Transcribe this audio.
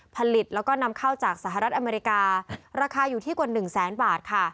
ผลิตแล้วก็นำเข้าจากสหรัฐอเมริการาคาอยู่ที่กว่า๑แสนบาทค่ะ